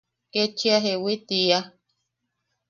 Kechia jeewi tiia.